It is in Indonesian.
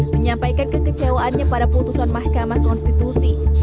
menyampaikan kekecewaannya pada putusan mahkamah konstitusi